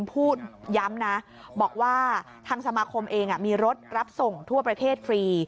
พูดย้ำนะบอกว่าทางสมาคมเองมีรถรับส่งทั่วประเทศฟรี